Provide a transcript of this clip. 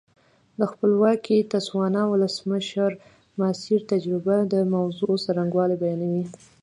د خپلواکې تسوانا ولسمشر ماسیر تجربه د موضوع څرنګوالی بیانوي.